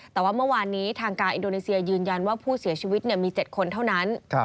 แต่ว่าเมื่อวานนี้ทางการอินโดนีเซียยืนยันว่าผู้เสียชีวิตมี๗คนเท่านั้น